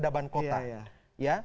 itu adalah proses pemberadaban kota